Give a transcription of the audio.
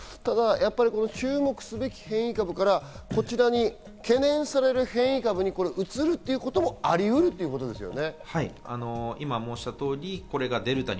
注目すべき変異株から懸念される変異株にうつるということもありうるということですね。